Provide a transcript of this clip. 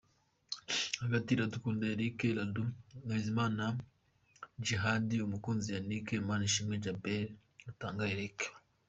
Hagati: Iradukunda Eric Radu, Bizimana Djihad, Mukunzi Yannick, Manishimwe Djabel, Rutanga Eric.